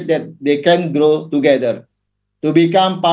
diharapkan mereka bisa berkembang bersama